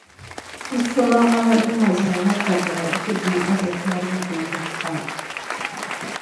Uffono ana def mazalaka misan kulun nateba asoh tupay ba.